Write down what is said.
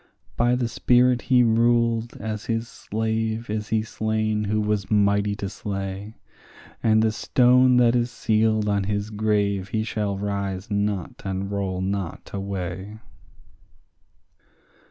By the spirit he ruled as his slave is he slain who was mighty to slay, And the stone that is sealed on his grave he shall rise not and roll not away.